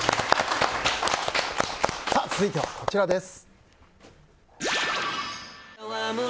続いては、こちらです。